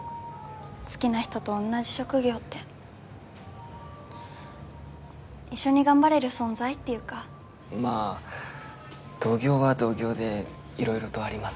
好きな人と同じ職業って一緒に頑張れる存在っていうかまぁ同業は同業でいろいろとありますよ